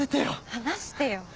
離してよ。